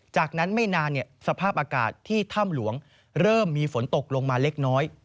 จากนั้นไม่นานสภาพอากาศที่ถ้ำหลวงเริ่มมีฝนตกลงมาเล็กน้อย